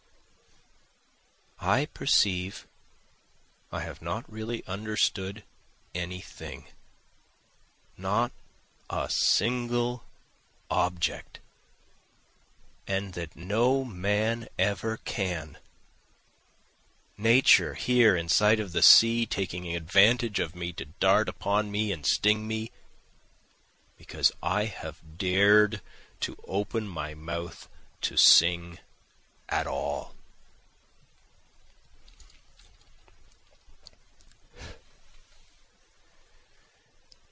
I perceive I have not really understood any thing, not a single object, and that no man ever can, Nature here in sight of the sea taking advantage of me to dart upon me and sting me, Because I have dared to open my mouth to sing at all.